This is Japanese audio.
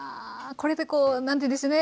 これでこうなんていうんでしょうね